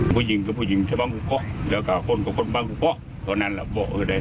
ผู้หญิงพูดพูดถ่ายรับ